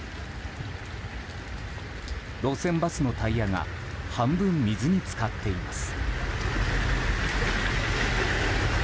路線バスのタイヤが半分、水に浸かっています。